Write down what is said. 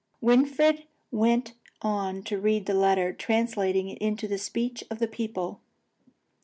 Winfried went on to read the letter, translating it into the speech of the people.